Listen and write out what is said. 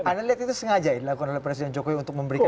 anda lihat itu sengaja ini lah kondisi presiden jokowi untuk memberikan